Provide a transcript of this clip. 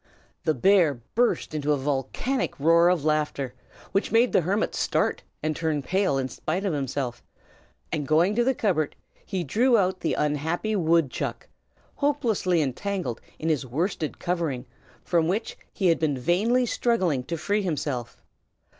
The bear burst into a volcanic roar of laughter, which made the hermit start and turn pale in spite of himself, and going to the cupboard he drew out the unhappy woodchuck, hopelessly entangled in his worsted covering, from which he had been vainly struggling to free himself.